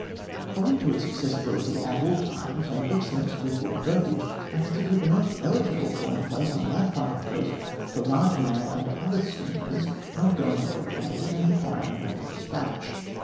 "Owing to its accessibility at all times, and excellent deep water berthage, I consider it the most eligible calling place on that part of the coast for large mail and other steamers not going up to Rockhampton, and requiring rapid despatch.